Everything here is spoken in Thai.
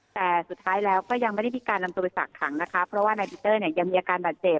แต่สุดท้ายแล้วก็ยังไม่ได้มีการนำตัวไปฝากขังนะคะเพราะว่านายปีเตอร์เนี่ยยังมีอาการบาดเจ็บ